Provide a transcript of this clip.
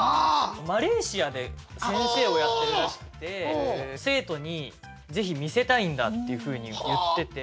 マレーシアで先生をやってるらしくて生徒にぜひ見せたいんだっていうふうに言ってて。